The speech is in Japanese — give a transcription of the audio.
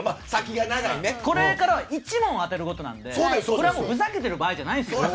これからは１問当てるごとなのでふざけてる場合じゃないです。